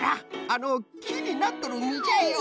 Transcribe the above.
あのきになっとるみじゃよ。